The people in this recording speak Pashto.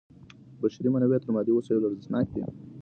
بشري منابع تر مادي وسایلو ارزښتناکي دي.